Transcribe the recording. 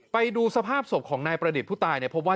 ไปดูสภาพศพของนายประดิษฐ์ผู้ตายเนี่ยพบว่า